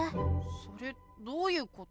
それどういうこと？